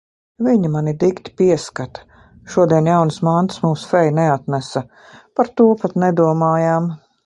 Viņa mani dikti pieskata. Šodien jaunas mantas mums feja neatnesa. Par to pat nedomājām.